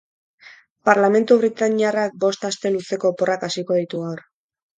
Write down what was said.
Parlamentu britaniarrak bost aste luzeko oporrak hasiko ditu gaur.